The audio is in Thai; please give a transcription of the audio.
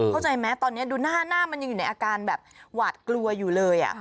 เข้าใจไหมตอนนี้ดูหน้าหน้ามันยังอยู่ในอาการแบบหวาดกลัวอยู่เลย